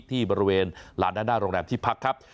ที่บริเวณลานด้านหน้าโรงแรมที่พักครับ